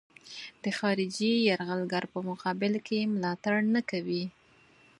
د خارجي یرغلګر په مقابل کې ملاتړ نه کوي.